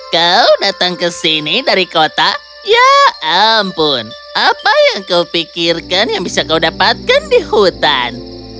kau datang ke sini dari kota ya ampun apa yang kau pikirkan yang bisa kau dapatkan di hutan